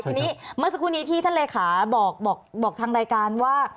ทีนี้เมื่อสักครู่นี้ที่ท่านเลขาบอกทางรายการว่า